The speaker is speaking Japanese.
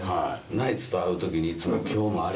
ナイツと会う時にいつも。